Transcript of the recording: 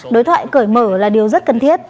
đối thoại cởi mở là điều rất cần thiết